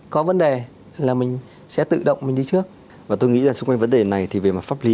có vấn đề là mình sẽ tự động mình đi trước và tôi nghĩ là xung quanh vấn đề này thì về mặt pháp lý